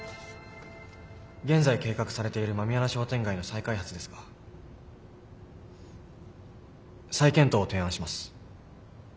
現在計画されている狸穴商店街の再開発ですが再検討を提案します。